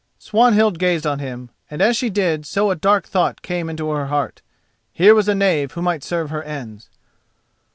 Swanhild gazed on him, and as she did so a dark thought came into her heart: here was a knave who might serve her ends.